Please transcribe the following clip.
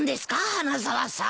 花沢さん。